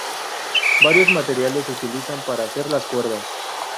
Varios materiales se utilizan para hacer las cuerdas.